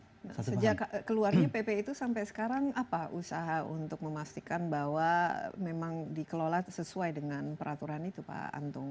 nah sejak keluarnya pp itu sampai sekarang apa usaha untuk memastikan bahwa memang dikelola sesuai dengan peraturan itu pak antung